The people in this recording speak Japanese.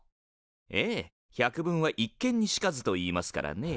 ええ「百聞は一見にしかず」と言いますからね。